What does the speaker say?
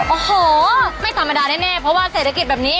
โอ้โหไม่ธรรมดาแน่เพราะว่าเศรษฐกิจแบบนี้